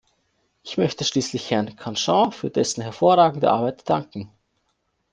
Ich möchte schließlich Herrn Cancian für dessen hervorragende Arbeit danken.